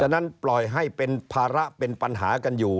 นั้นปล่อยให้เป็นภาระเป็นปัญหากันอยู่